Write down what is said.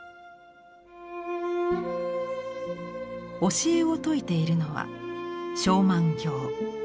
教えを説いているのは勝鬘経。